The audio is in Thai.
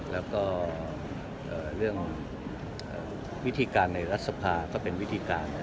และวิธีการในรัฐสภาพก็เป็นวิธีการ